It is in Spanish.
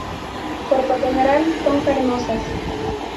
Por lo general, son carnosas.